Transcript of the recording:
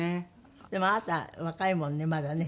でもあなた若いもんねまだね。